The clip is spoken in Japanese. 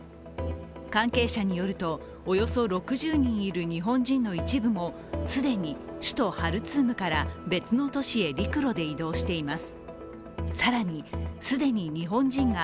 関係者によるとおよそ６０人いる日本人の一部も既に首都ハルツームから別の都市へ陸路で移動しています。